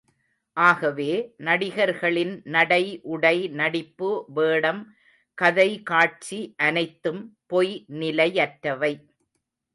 ஆகவே, நடிகர்களின் நடை, உடை, நடிப்பு, வேடம், கதை, காட்சி, அனைத்தும் பொய் நிலையற்றவை.